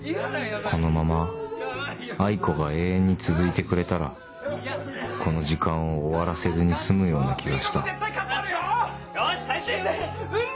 このままあいこが永遠に続いてくれたらこの時間を終わらせずに済むような気がしたよし最終兵器。